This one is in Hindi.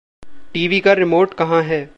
टीवी का रिमोट कहाँ है?